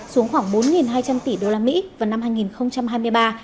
xuống khoảng bốn hai trăm linh tỷ đô la mỹ vào năm hai nghìn hai mươi ba